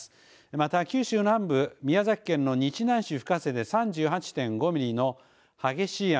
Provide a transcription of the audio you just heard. また九州南部、宮崎県の日南市深瀬で３８．５ミリの激しい雨。